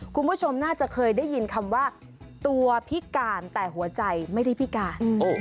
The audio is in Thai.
คุณผู้ชมน่าจะเคยได้ยินคำว่าตัวพิการแต่หัวใจไม่ได้พิการ